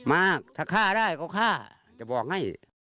มากถ้าฆ่าได้เขาฆ่าจะบอกให้